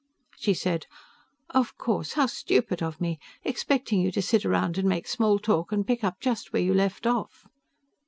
She said, "Of course. How stupid of me, expecting you to sit around and make small talk and pick up just where you left off."